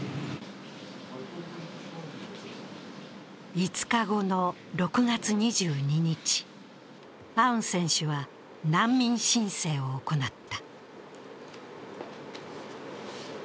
５日後の６月２２日、アウン選手は難民申請を行った。